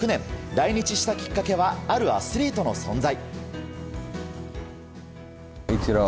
来日したきっかけはあるアスリートの存在。